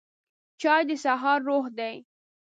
چای د سهار روح دی